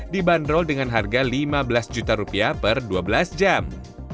dibanderol dengan harga lima belas juta rupiah per dua belas jam